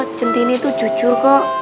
oh centini tuh jujur kok